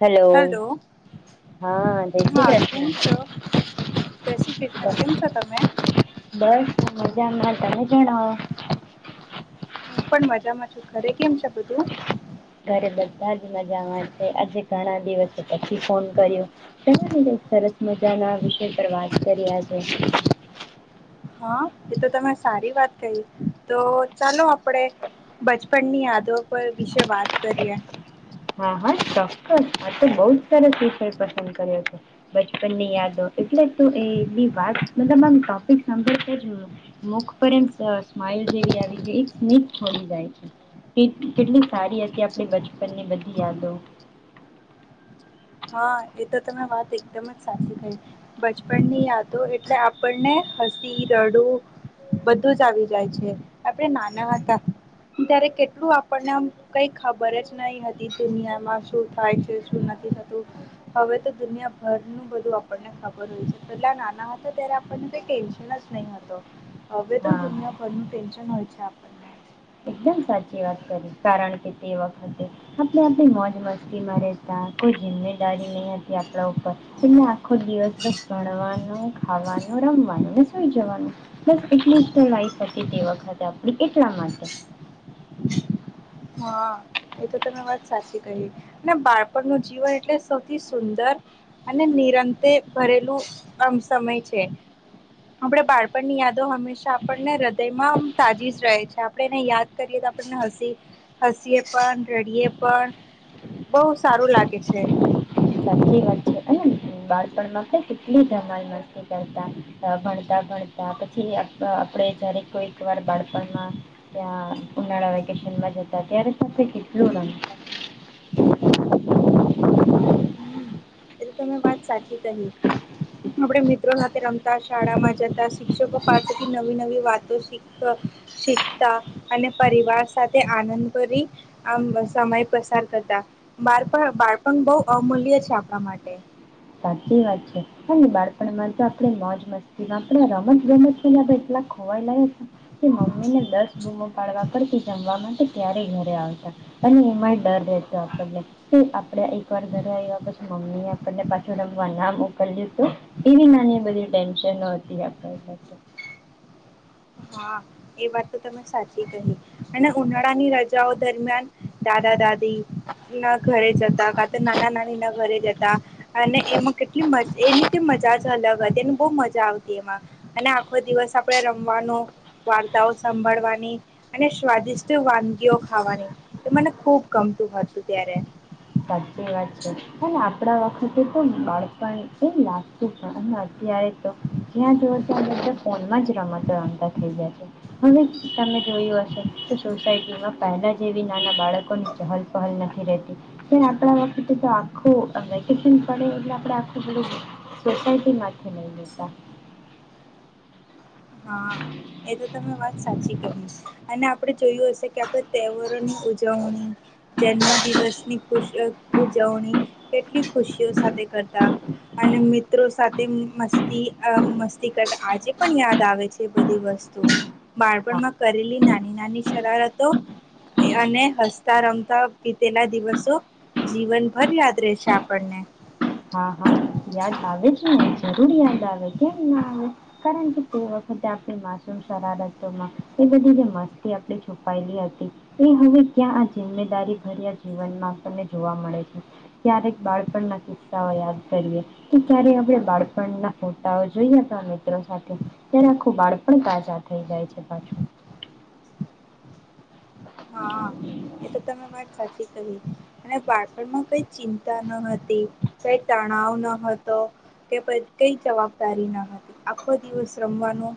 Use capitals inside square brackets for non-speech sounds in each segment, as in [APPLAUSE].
Hello, hello હા જય હા શ્રી કેમ છો જય શ્રી કેમ છો તમે કૃષ્ણ બસ મજામાં તમે કેડા હું, પણ મજામાં છું, ઘરે કેમ છે, બધું? ઘરે બધા જ મજામાં છે આજે ઘણા દિવસો પછી ફોન કર્યો ચાલોને કંઈક સરસ મજા ના વિષય પર વાત કરીએ આજે. હા એ તો તમે સારી વાત કહી તો ચાલો આપણેે બચપણ ની યાદો પર વિશે વાત કરીએ. હા હા ચોક્કસ આ તો બહું જ સરસ વિષય પસંદ કર્યો છે. બચપનની યાદો એટલે તો એવી વાત મતલબ આમ ટોપિક સાંભળતા જ મુખ પર એમ સ સ્માઈલ જેવી આવી ગઈ એક સ્મિત છોડી જાય છે કે કેટલી સારી હતી આપણે બચપન ની બધ યાદો હા એ તો તમે વાત એકદમ જ સાચી કઈ બચપન ની યાદો એટલે આપણને હસી રડું બધું જ આવી જાય છે આપણે નાના હતા ત્યારે કેટલું આપણને કઈ ખબર જ નહી હતી દુનિયામાં શું થાય છે શું નથી થતુ હવે તો દુનિયાભરનું બધું આપણને ખબર હોય છે પેલા નાના હતા ત્યારે આપણને કઈ ટેન્શન જ નહી હતો. હવે તો હા દુનિયાભરનું ટેન્શન હોય છે આપણને એકદમ સાચી વાત કરી કારણ કે તે વખતે આપણે આપણી મોજ મસ્તીમાં રહેતા કોઈ જિંમે દારી નહી હતી આપડા ઉપર અને આખો દિવસ બસ ભણવાનો ખાવાનું, રમવાનું ને સુઈ જવાનું બસ એટલી જ લાઇફ હતી તે વખતે આપણી એટલા માટે હા એ તો તમે વાત સાચી કહી અને બાળપણનું જીવન એટલે સૌથી સુંદર અને નિરંતે ભરેલું આમ સમય છે. આપણે બાળપણની યાદો હંમેશા આપણને હૃદયમાં તાજી જ રહે છે આપણે એને યાદ કરીએ તો આપણને હસી હસીએ પણ રડીએ પણ બહુ સારું લાગે છે. સાચી વાત છે અને બાળપણમાં કેટલી ધમાલ મસ્તી કરતા ભણતા ભણતા પછી આપડે જયારે કોઈક વાર બાળપણમાં ત્યાં ઉનાળા વેકેશનમાં જતા ત કેટલું રમતા હ એ તમે વાત સાચી કહી આપડે મિત્રો સાથે રમતા શાળામાં જતા શિક્ષકો પાસેથી નવી નવી વાતો શીખતા અને પરિવાર સાથે આનંદ કરી આમ સમય પસાર કરતા બાળપણ બાળપણ બઉ અમૂલ્ય છે આપણા માટે સાચી વાત છે અને બાળપણમાં તો આપણે મોજ મસ્તી આપણે રમત રમત પેલા એટલા ખોવાયલા મમ્મી ને દસ ડૂમો પાડવા પરથી જમવા માટે ત્યારે ઘરે આવતા અને એમાંય ડર રહેતો આપણને આપડે એક વાર ઘરે આવ્યા પછી મમ્મી આપણને પાછ રમવા ના મોકલ્યું તો એવી નાની બધી ટેન્શનો હતી આપણને તો હા એ વાત તો તમે સાચી કહી અને ઉનાળાની રજાઓ દરમિયાન દાદા દાદી, ના ઘરે જતા કા તો નાના નાની, ના ઘરે જતા અને એમાં કેટલી મજા એની કે મજા જ અલગ હતી એને બો મજા આવતી એમાં અને આખો દિવસ આપણે રમવાનો વાર્તાઓ સાંભળવાની અને સ્વાદિષ્ટ વાનગીઓ ખાવાની એ મને ખુબ ગમતું હતું ત્યારે સાચિ વાત છે, હને આપણા વખતે તો બાળપણ એ લાગતું પણ અને અત્યારે તો જ્યાં જોવો ત્યાં બધા ફોનમાં જ રમતો રમતા થઈ જાય છે હવે તમે જોયું હશે તો સોસાયટીમાં પહેલાં જેવી નાના બાળકોની ચહલ પહલ નથી રહેતી આપણા વખતે તો આખું વેકેશન પડે એટલે આપે આખું બધું સોસાયટી માથે લઈ લેતા હા એ તો તમે વાત સાચી કહી અને આપણે જોયું હશે કે આપણે તહેવારોની ઉજવણી જન્મ દિવસની ખુશ ઉજવણી કેટલી ખુશીઓ સાથે કરતા અને મિત્રો સાથે મસ્તી મસ્તી કરતા આજે પણ યાદ આવે છે બધી વસ્તુ હા બાળપણમાં કરેલી નાની નાની શરારતો અને હસતા રમતા બિતેલા દિવસો જીવનભર યાદ રહેશે આપણને હા હા યાદ આવે જ જરૂર યાદ આવે કેમ ના આવે કારણ કે તે વખતે આપણી માસુમ શરારતોમાં એ બધી મસ્તી આપણે છુપાયેલી હતી એ હવે ક્યાં આ જિમ્મેદારી ભર્યા જીવનમાં આપણને જોવા મળે છે ક્યારેક બાળપણ માથી યાદ કરીએ કે ક્યારે આપણે બાળપણના ફોટાઓ જોઈયા હતા મિત્રો સાથે ત્યારે આખું બાળપણ તાજા થઈ જાય છે પાછું. હા એ તો તમે વાત સાચી કહી અને બાળપણમાં કઈ ચિંતા ન હતી કઈ તણાવ ન હતો કે પ કઈ જવાબદારી ન હતી આખો દિવસ રમવાનો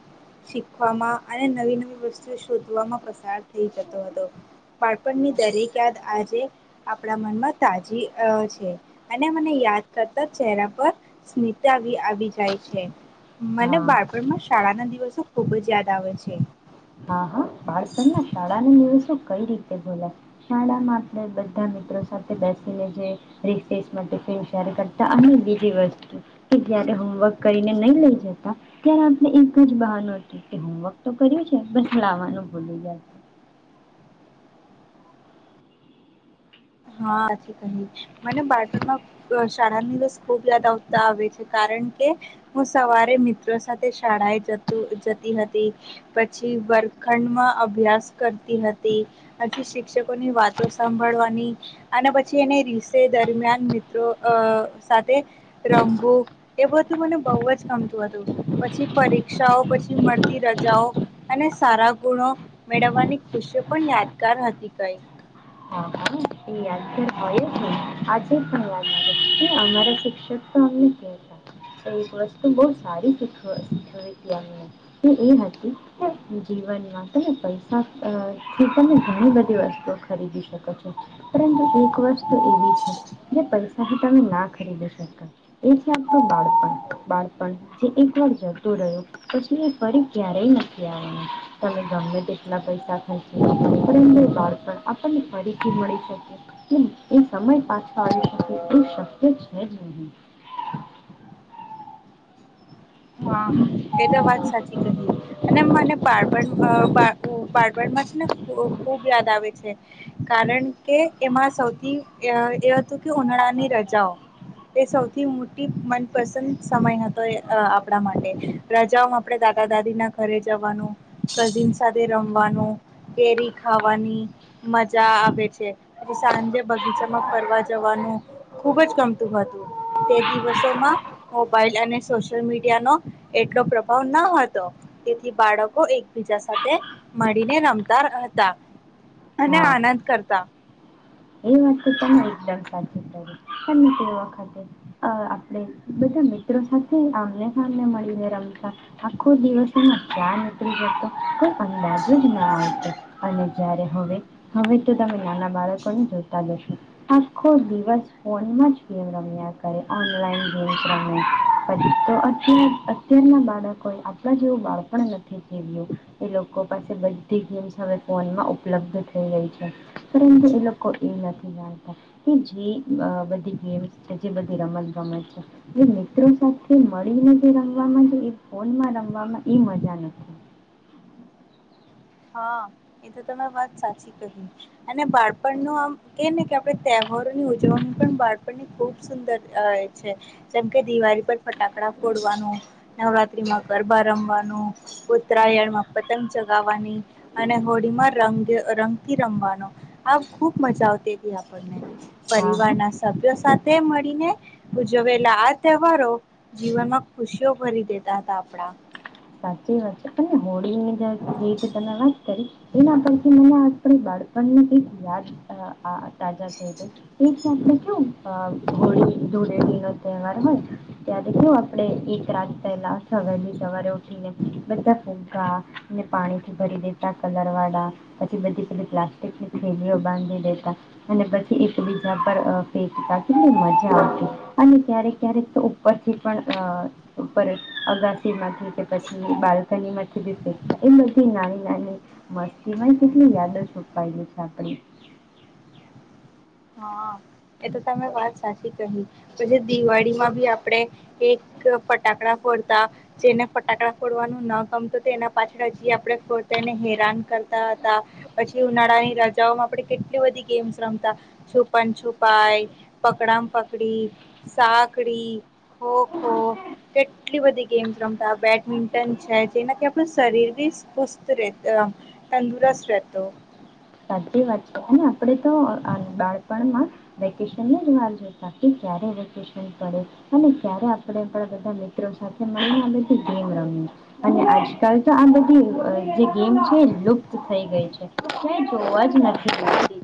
શીખવામાં અને નવી નવી વસ્તુ શોધવામાં પસાર થઈ જતો. તો, બાળપણની દરેક યાદ આજે આપણા મનમાં તાજી છે અને મને યાદ કરતા ચહેરા પર સ્મતા આવી જાય છે મને હા બાળપણમાં શાળાના દિવસો ખુબ જ યાદ આવે છે હા, હા, બાળપણમા શાળા ના દિવસ તો કઈ રીતે ભુલાય શાળામાં આપણે બધા મિત્રો સાથે બેસીને જે રિસેસમા ટિફિન શેર કરતા અને બીજી વસ્તુ કે જયારે હોમવર્ક કરીને નહી લઈ જતા ત્યારે આપણે એક જ બહાનું હતું કે હોમવર્ક તો કર્યો જ બુક લાવાનું ભુલી જાય હાહાચી કહી, મને બાળપણમાં શાળાની બસ ખૂબ યાદ આવતા આવે છે, કારણ કે હું સવારે મિત્રો સાથે શાળાએ જ જતી હતી પછી, વર્ગખંડમાં અભ્યાસ કરતી હતી પછી, શિક્ષકોની વાતો સાંભળવાની અને પછી એને રીસે દરમિયાન મિત્રો અ સાથે રમવું એ બધું મને બહુ જ ગમતું હતું પછી પરીક્ષાઓ પછી મળતી રજાઓ અને સારા ગુણો મેળવવાની ખુશીઓ પણ યાદગાર હતી કઈક હા [INAUDIBLE] યાદગાર હોય જ ને આજે પણ યાદ આવે કે અમારા શિક્ષક તો અમને કેતા એક વસ્તુ બહુ સારી શીખી ગયા એ હતી અમને એ હતી કે જીવનમાં તમે પૈસા થી તમે ઘણી બધી વસ્તુઓ ખરીદી શકો છો પરંતુ એક વસ્તુ એવી છે જે પૈસાથી તમે ના ખરીદી શકો એથી આપતું બાળપણ. બાળપણ જે એક વાર જતુ રહ્યો પછી એ ફરી ક્યારેય નથી આવવાનું તમે ગમે તેટલા પૈસા ખરચી પરંતુ બાળપણ આપણને ફરીથી મળી શકે કે એ સમય પાછો આવી શકે એવું શક્ય છે જ નહી હા એ તો વાત સાચી કહી અને મને બાળપણ અ બા બાટપણમાં છે ને ખૂબ યાદ આવે છે કારણ કે એમાં સૌથી એ હતું કે ઉનાળાની રજાઓ એ સૌથી મોટી મનપસંદ સમય હતો આપે દાદા દાદી ના ઘરે જવાનું કઝિન સાથે રમવાનું કેરી ખાવાની મજા આવે છે સાંજે બગીચામાં ફરવા જવાનું ખુબજ ગમતું હતું તે દિવસોમાં મોબાઈલ અને સોશિયલ મીડ નો એટલો પ્રભાવ ન હતો તેથી બાળકો એકબીજા સાથે મળીને રમતા હતા અને આનંદ કરતા ત પણ એકદમ સાચું તે વખતે આપણે બધા મિત્રો સાથે આમને સાને મળીને રમતા આખો દિવસોમાં ધ્યાન ઉતરી જતો અંદાજ જ નાતો અને જ્યારે હવે હવે તો તમે નાના બાળકોને જો આખો દિવસ ફોનમાં જ ગેમ રમ્યા કરે ઓનલાઈન ગેમ [INAUDIBLE] પછી તો પછી અત્યારના બાળકોએ આપણા જેવું બાળપણ નથી જીવ્યું એ લોકો પાસે બધી ગેમ્સ હવે ફોનમાં ઉપલબ્ધ થઈ ગઈ છે પરંતુ એ લોકો એ નથી જાણતા કે જે બધી ગેમ્ જે બધી રમત ગમત છે જે મિત્રો સાથે મળીને જે રમવામા એ ફોનમાં રમવામાં એ મજા નથી હા, એ તો તમે વાત સાચી કહી અને બાળપણનું આમ કે ને કે આપણે તહેવારોની ઉજવણી પણ બાળપણની ખુબ સુંદર હોય છે, જેમ કે દિવાળી પર ફટાકડા ફોડવાનું, નવરાત્રીમાં ગરબા રમવાનું, ઉત્તરાયણમાં પતંગ ચગાવવાની અને હોળી માં રંગ રંગથી રમવાનો આ ખુબ મજા આવતી હતી આપણને હા હા પરિવારના સભ્યો સાથે તે મળીને ઉજવેલા આ તહેવારો જીવનમાં ખુશીઓ ભરી દેતા હતા આપણા સાચી વાત છે, અને હોળીની ર તમે વાત કરી એના પરથી મને આ બાળપણની કઈક યાદ તાજા થઈ ગઈ આપણે કેવું હોળી ધુળેડી નો તહેવાર હોય ત્યારે કેવું આપણે એક રાત પહેલા વલી સવારે. બધા ફૂકા ને પાણીથી ભરી દેતા કલર વાળા પછી બધીધી પ્લાસ્ટિકની થેલીઓ બાંધી દેતા અને પછી એકબીજા પર ફેકતા કેટલી મજા આવતી અને ક્યારેક ક્યારેક તો ઉપરથી પણ ઉપર અગાસીમાંથી. કે પછી બાલ્કની માંથીબી ફેકેતા એ બધી નાની નાની મસ્તીમાં કેટલી યાદ છુપાયેલી છે આપણી હા એ તો તમે વાત સાચી કહી પછી દિવાળીમાં ભી આપડે એક ફટાકડા ફોડતા જેને ફટાકડા ફોડવાનું ના ગમતું તેના પાછળ હ આપણે ફોડતા એને હેરાન કરતા હતા પછી ઉનાળાની રજાઓમાં આપણે કેટલી બધી ગેમ્સ રમતા. છુપાન છુપાઈ પકડામ પકડી સાકડી ખો ખો કેટલી બધી ગેમ્સ રમતા બેડમિન્ટન છે જેનાથી આપણું શરીર બીુસ્ત તંદુરસ્ત રહેતું સાચી વાત છે હે. આપણે તો બાળપણમાં. વેકેશનની જ રાહ જોતા કે ક્યારે વેકેશન પડે અને ક્યારે આપણે બધા મિત્રો સાથે મળી ને આ બઘી ગેમ રમયે અને આજકાલ તો આ બધી જે ગેમ છે લુપ્ત થઈ ગઈ છે. જોવા જ નથી મળતી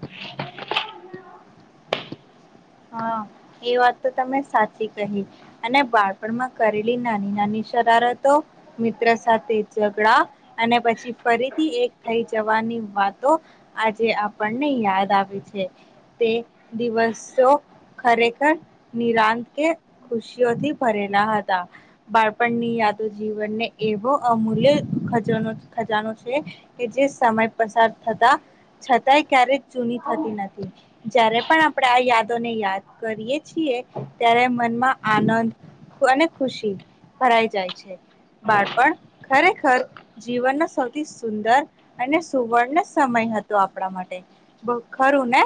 હા એ વાત તો તમે સાચી કહી અને બાળપણમાં કરેલી નાની નાની શરારતો મિત્ર સાથે ઝઘડા અને પછી ફરીથી એક થઈ જવાની વાતો આજે આપણને યાદ આવે છે તે દિવસો. ખરેખર નિરાંત કે ખુશીઓથી ભરેલા હતા બાળપણની યાદો જીવનને એવો અમૂલ્ય ખજનો ખજાનો છે કે જે સમય પસાર થતા છતાંય ક્યારેક જૂની થતી નથી જયારે પણ આપણે આ યાદ. ને યાદ કરીએ છીએ ત્યારે મનમાં આનંદ અને ખુશી ભરાઈ જાય છે બાળપણ ખરેખર જીવનનો સૌથી સુંદર અને સુવર્ણ સમય હતો આપણા માટે ખરું ને.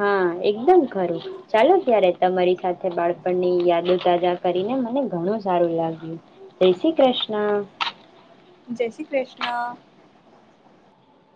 હા એકદમ ખરું ચાલો ત્યારે તમારી સાથે બાળપણની યાદો તજા કરીને મને ઘણું સારું લાગ્યું જય શ્રી કૃષ્ણ. જય શ્રી કૃષ્ણ.